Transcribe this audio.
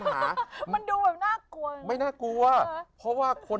เธอมีครอบครัวยากละ